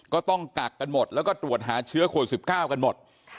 ก็ต้องกากกันหมดแล้วก็ตรวจหาเชื้อโขล๑๙กันหมด